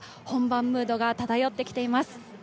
本番ムードが漂ってきています。